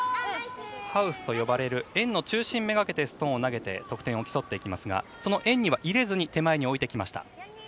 ハウスと呼ばれる円の中心めがけてストーンを投げて得点を競っていきますがその円に入れずに手前に置いてきました。